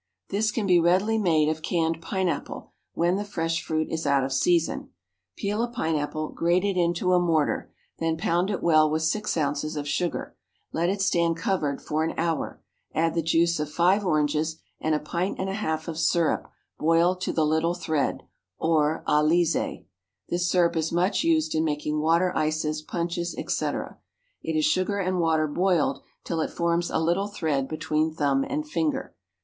_ This can be readily made of canned pineapple when the fresh fruit is out of season. Peel a pineapple; grate it into a mortar; then pound it well with six ounces of sugar; let it stand covered for an hour; add the juice of five oranges, and a pint and a half of syrup boiled to the little thread, or à lissé. (This syrup is much used in making water ices, punches, etc. It is sugar and water boiled till it forms a little thread between thumb and finger.)